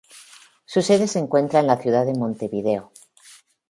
Su sede se encuentra en la ciudad de Montevideo.